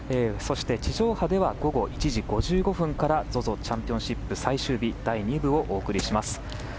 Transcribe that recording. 地上波では午後１時５５分からＺＯＺＯチャンピオンシップ最終日第２部をお送りします。